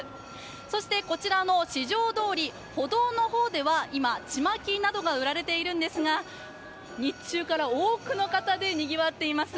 そしてこちらの四条通歩道の方では今、ちまきなどが売られているんですが、日中から多くの方でにぎわっています。